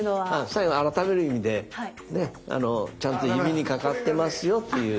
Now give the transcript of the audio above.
最後改める意味でねちゃんと指にかかってますよっていう。